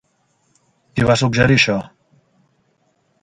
Qui va suggerir això?